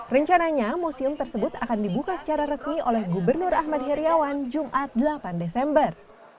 rencananya museum tersebut akan dibuka secara resmi oleh gubernur ahmad heriawan jumat delapan desember